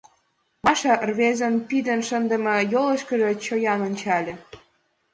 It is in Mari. Маша рвезын пидын шындыме йолышкыжо чоян ончале.